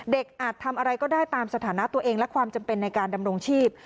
อาจทำอะไรก็ได้ตามสถานะตัวเองและความจำเป็นในการดำรงชีพ